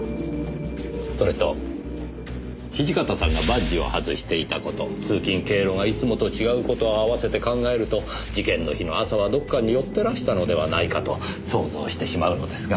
それと土方さんがバッジを外していた事通勤経路がいつもと違う事を併せて考えると事件の日の朝はどこかに寄ってらしたのではないかと想像してしまうのですが。